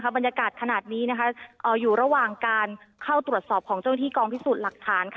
บรรยากาศขนาดนี้อยู่ระหว่างการเข้าตรวจสอบของเจ้าหน้าที่กองพิสูจน์หลักฐาน